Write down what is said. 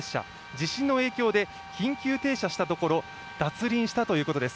地震の影響で緊急停車したところ脱輪したということです。